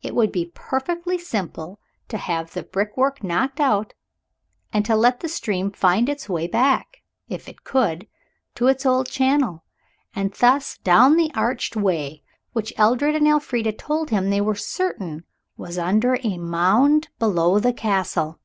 It would be perfectly simple to have the brickwork knocked out, and to let the stream find its way back, if it could, to its old channel, and thence down the arched way which Edred and Elfrida told him they were certain was under a mound below the Castle.